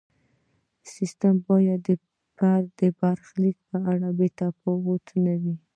سیستم باید د فرد د برخلیک په اړه بې تفاوت نه وي.